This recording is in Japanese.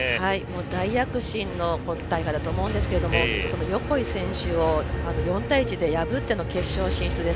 大躍進だったと思うんですが横井選手を４対１で破っての決勝進出です。